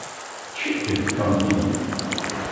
Ččiɣ deg tkantint.